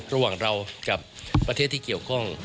ระหว่างเรากับประเทศที่เกี่ยวข้อง